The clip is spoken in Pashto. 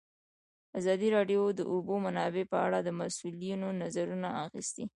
ازادي راډیو د د اوبو منابع په اړه د مسؤلینو نظرونه اخیستي.